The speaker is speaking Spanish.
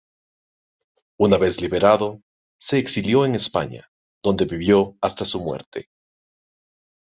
Una vez liberado, se exilió en España, donde vivió hasta su muerte.